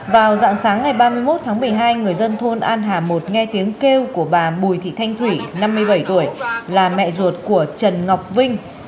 vào dạng sáng ngày ba mươi một tháng một mươi hai người dân thôn an hà một nghe tiếng kêu của bà bùi thị thanh thủy năm mươi bảy tuổi là mẹ ruột của trần ngọc vinh